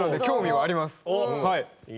はい。